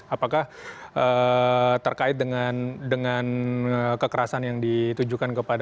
apakah terkait dengan kekerasan yang ditujukan kepada